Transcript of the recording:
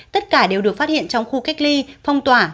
tất cả đều được phát hiện trong khu cách ly phong tỏa